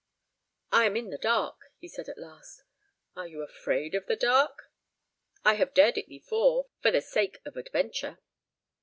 "I am in the dark," he said, at last. "Are you afraid of the dark?" "I have dared it before—for the sake of adventure."